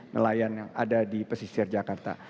nelayan yang ada di pesisir jakarta